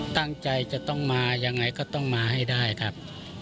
ตั้งใจจะต้องมายังไงก็ต้องมาให้ได้ครับ